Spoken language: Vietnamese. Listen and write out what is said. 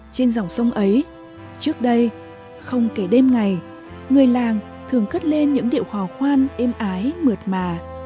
trên dòng sông ấy trước đây không kể đêm ngày người làng thường cất lên những điệu hò khoan êm ái mượt mà